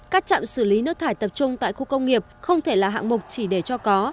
các trạm xử lý nước thải tập trung tại khu công nghiệp không thể là hạng mục chỉ để cho có